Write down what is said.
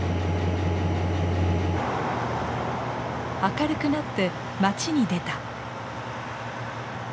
明るくなって町に出た。